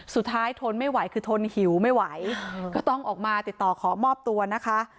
ทนไม่ไหวคือทนหิวไม่ไหวก็ต้องออกมาติดต่อขอมอบตัวนะคะ